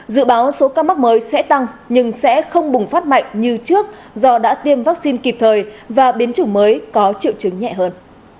dự báo số ca mắc mới sẽ tăng nhưng sẽ không bùng phát mạnh như trước do đã tiêm vaccine kịp thời và biến chủng mới có triệu chứng nhẹ hơn